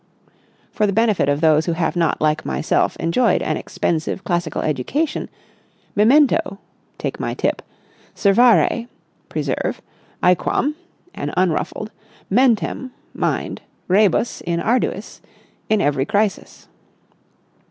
(For the benefit of those who have not, like myself, enjoyed an expensive classical education,—memento—Take my tip—servare—preserve—aequam—an unruffled—mentem—mind—rebus in arduis—in every crisis).